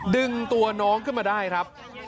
ดึงตัวน้องขึ้นมาได้ครับ